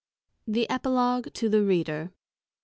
The Epilogue to the Reader.